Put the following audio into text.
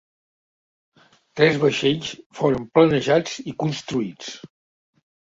Tres vaixells foren planejats i construïts.